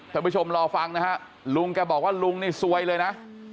ท่านผู้ชมรอฟังนะฮะลุงแกบอกว่าลุงนี่ซวยเลยนะ